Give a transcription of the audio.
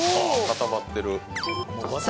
固まってる。